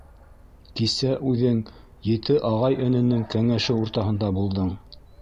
Кисә үҙең ете ағай-эненең кәңәше уртаһында булдың.